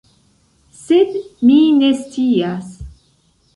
Sed mi ne scias.